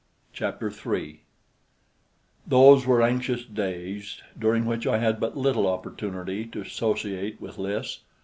Chapter 3 Those were anxious days, during which I had but little opportunity to associate with Lys.